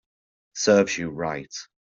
Serves you right